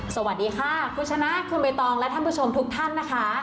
สวัสดีค่ะคุณชนะคุณใบตองและท่านผู้ชมทุกท่านนะคะ